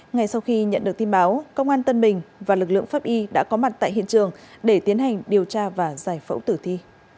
ngay sau khi nhận được tin báo công an tân bình và lực lượng pháp y đã có mặt tại hiện trường để tiến hành điều tra và giải phẫu tử thi